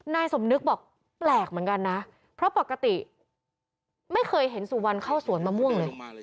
นายสมนึกบอกแปลกเหมือนกันนะเพราะปกติไม่เคยเห็นสุวรรณเข้าสวนมะม่วงเลย